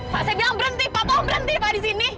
pak saya bilang berhenti papa berhenti pak di sini